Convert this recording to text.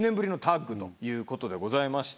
ということでございまして。